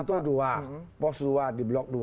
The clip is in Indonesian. itu dua pos dua di blok dua